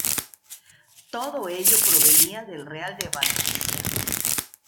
Todo ello provenía del Real de Valencia.